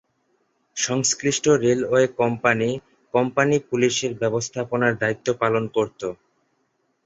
সংশ্লিষ্ট railway company ’company পুলিশে’র ব্যবস্থাপনার দায়িত্ব পালন করত।